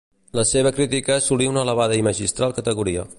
La seva crítica assolí una elevada i magistral categoria.